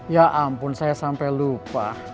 ya ampun saya sampai lupa